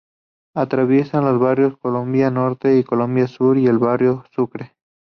Atraviesa los Barrios Colombia Norte y Colombia Sur y El Barrio Sucre.